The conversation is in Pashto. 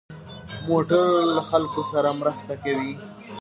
موټر له خلکو سره مرسته کوي.